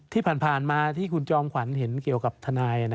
ที่ผ่านมาที่คุณจอมขวัญเห็นเกี่ยวกับทนาย